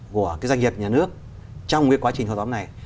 của doanh nghiệp nhà nước trong quá trình thô tóm này